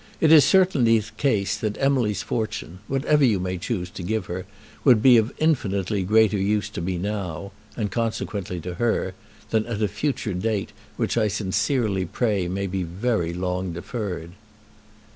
It is certainly the case that Emily's fortune, whatever you may choose to give her, would be of infinitely greater use to me now, and consequently to her, than at a future date which I sincerely pray may be very long deferred.